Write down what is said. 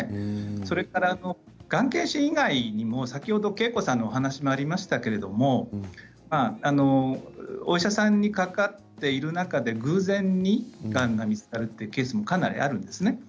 それからがん検診以外にも先ほどのけいこさんのお話にもありましたけれどもお医者さんにかかっている中で偶然にがんが見つかるというケースもかなりあるんですね。